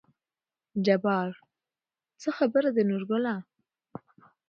جبار : څه خبره ده نورګله